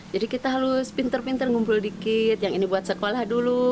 jadi kita harus pinter pinter ngumpul dikit yang ini buat sekolah